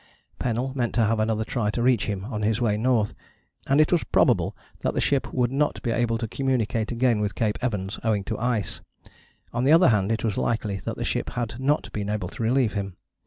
Pennell meant to have another try to reach him on his way north, and it was probable that the ship would not be able to communicate again with Cape Evans owing to ice: on the other hand it was likely that the ship had not been able to relieve him.